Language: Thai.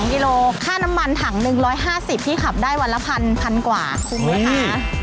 กิโลค่าน้ำมันถัง๑๕๐ที่ขับได้วันละ๑๐๐กว่าคุ้มไหมคะ